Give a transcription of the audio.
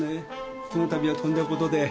この度はとんだことで。